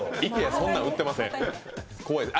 そんなの売ってません。